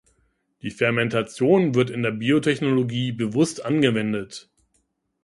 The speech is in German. Die Fermentation wird in der Biotechnologie bewusst angewendet.